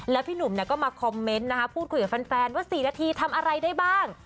แล้วพี่หนุ่มก็มาคอมเมนต์นะคะพูดคุยกับแฟนว่า๔นาทีทำอะไรได้บ้าง